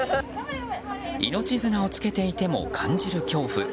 命綱をつけていても感じる恐怖。